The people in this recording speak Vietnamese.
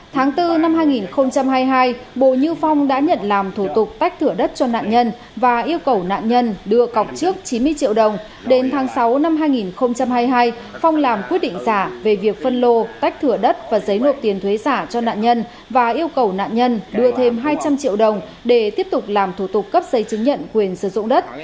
tháng bốn năm hai nghìn hai mươi hai bồ như phong đã nhận làm thủ tục tách thửa đất cho nạn nhân và yêu cầu nạn nhân đưa cọc trước chín mươi triệu đồng đến tháng sáu năm hai nghìn hai mươi hai phong làm quyết định giả về việc phân lô tách thửa đất và giấy nộp tiền thuế giả cho nạn nhân và yêu cầu nạn nhân đưa thêm hai trăm linh triệu đồng để tiếp tục làm thủ tục cấp giấy chứng nhận quyền sử dụng đất